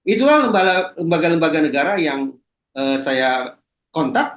itulah lembaga lembaga negara yang saya kontak